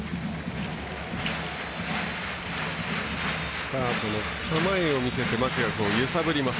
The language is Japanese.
スタートの構えを見せてマクガフを揺さぶります